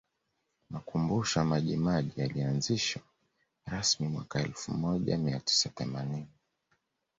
Makumbusho ya Majimaji yalianzishwa rasmi mwaka elfu moja mia tisa themanini